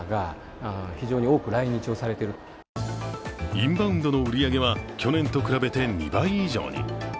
インバウンドの売り上げは去年と比べて２倍以上に。